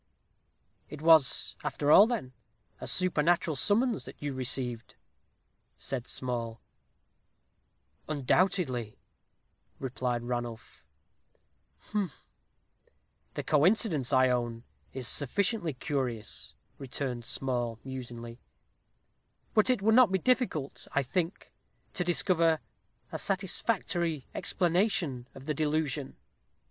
"It was, after all, then, a supernatural summons that you received?" said Small. "Undoubtedly," replied Ranulph. "Humph! the coincidence, I own, is sufficiently curious," returned Small, musingly; "but it would not be difficult, I think, to discover a satisfactory explanation of the delusion."